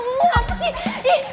mau ngapus diem